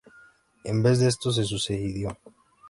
En vez de eso, se suicidó.